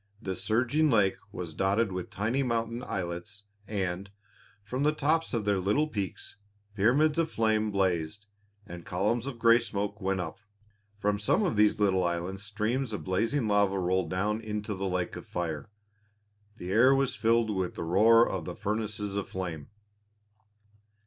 This surging lake was dotted with tiny mountain islets, and, from the tops of their little peaks, pyramids of flame blazed and columns of grey smoke went up. From some of these little islands streams of blazing lava rolled down into the lake of fire. The air was filled with the roar of the furnaces of flame.